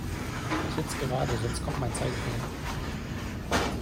Sitz gerade, sonst kommt mein Zeigefinger.